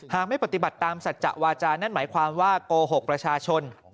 ไม่ปฏิบัติตามสัจจะวาจานั่นหมายความว่าโกหกประชาชน